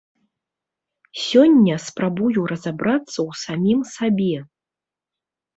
Сёння спрабую разабрацца ў самім сабе.